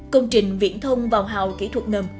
công trình viễn thông vào hào kỹ thuật ngầm